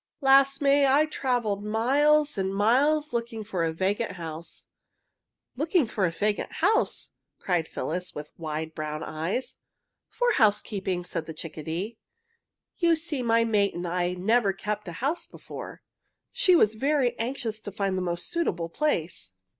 "Last May I travelled miles and miles looking for a vacant house." "Looking for a vacant house?" cried Phyllis, with wide brown eyes. "For housekeeping," said the chickadee. "You see my mate and I had never kept house before. She was very anxious to find a most suitable place.